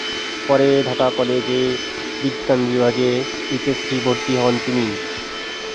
পরে ঢাকা কলেজে বিজ্ঞান বিভাগে এইচএসসি ভর্তি হন তিনি।